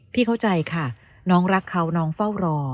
เข้าใจค่ะน้องรักเขาน้องเฝ้ารอ